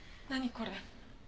これ。